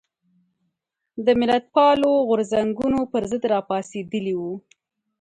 د ملتپالو غورځنګونو پر ضد راپاڅېدلي وو.